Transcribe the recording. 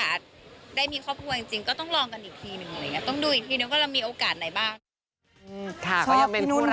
อันนี้ฟีก็บอกผมไม่แน่ใจเหมือนกัน